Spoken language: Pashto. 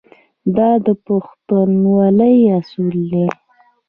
دا د پښتونولۍ اصول دي.